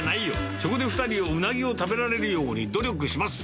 そこで２人はうなぎを食べられるように、努力したのです。